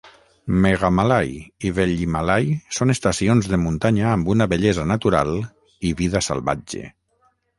Meghamalai i Vellimalai són estacions de muntanya amb una bellesa natural i vida salvatge.